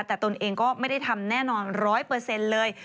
แต่ตนเองก็ไม่ได้ทำแน่นอนร้อยเปอร์เซ็นต์เลย